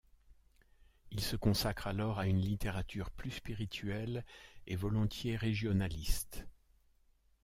Il se consacre alors à une littérature plus spirituelle et volontiers régionaliste.